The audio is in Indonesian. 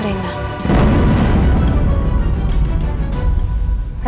tapi tolong jangan rena